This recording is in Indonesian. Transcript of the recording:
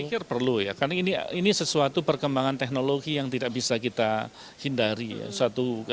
saya pikir perlu ya karena ini sesuatu perkembangan teknologi yang tidak bisa kita hindari ya